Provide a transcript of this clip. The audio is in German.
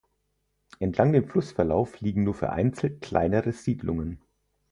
Entlang dem Flusslauf liegen nur vereinzelt kleinere Siedlungen.